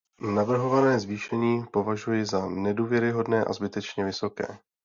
Navrhované zvýšení považuji za neodůvodněné a zbytečně vysoké.